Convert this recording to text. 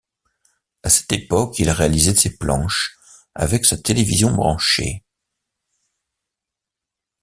À cette époque, il réalisait ses planches avec sa télévision branchée.